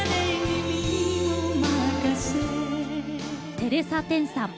テレサ・テンさん。